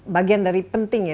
bagian dari pentingnya